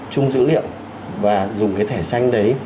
chung dữ liệu và dùng cái thẻ xanh đấy